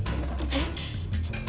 えっ？